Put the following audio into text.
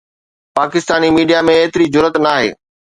Pakistani media ۾ ايتري جرئت ناهي